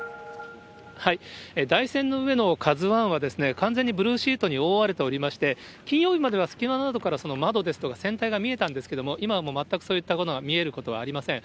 台船の上のＫＡＺＵＩは、完全にブルーシートに覆われておりまして、金曜日までは隙間などからその窓ですとか、船体が見えたんですけれども、今はもう全くそういったものは見えることはありません。